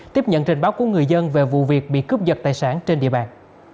tiếp nhận trình báo của người dân về vụ việc bị cướp giật tài sản trên địa bàn